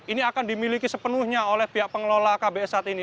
ini akan dimiliki sepenuhnya oleh pihak pengelola kbs saat ini